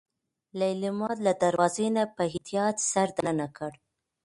ليلما له دروازې نه په احتياط سر دننه کړ.